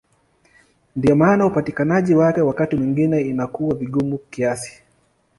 Ndiyo maana upatikanaji wake wakati mwingine inakuwa vigumu kiasi.